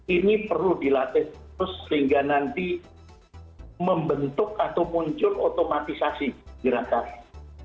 ini perlu dilatih terus sehingga nanti membentuk atau muncul otomatisasi gerakannya